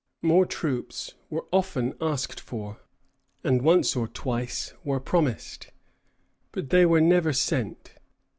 More troops were often asked for, and once or twice were promised; but they were never sent.